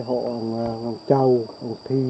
ông châu ông thi